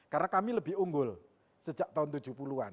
karena kami lebih unggul sejak tahun tujuh puluh an